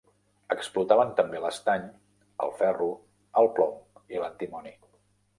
Explotaven també l'estany, el ferro, el plom i l'antimoni.